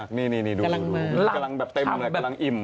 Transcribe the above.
กำลังเป็นแบบอิ่น